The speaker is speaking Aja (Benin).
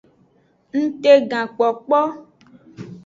Ngtegankpokpo.